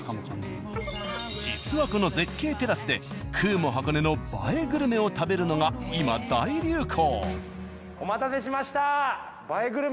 実はこの絶景テラスでｃｕ―ｍｏ箱根の映えグルメを食べるのが今大流行。